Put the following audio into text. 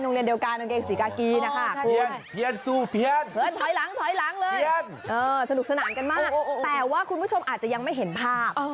ขึ้นถอยหลังสนุกสนานกันมากแต่ว่าคุณผู้ชมอาจจะยังไม่เห็นภาพ